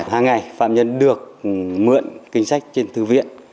hàng ngày phạm nhân được mượn kinh sách trên thư viện